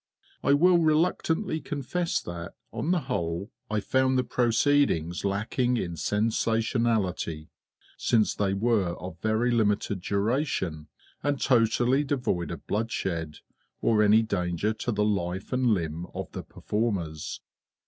I will reluctantly confess that, on the whole, I found the proceedings lacking in sensationality, since they were of very limited duration, and totally devoid of bloodshed, or any danger to the life and limb of the performers.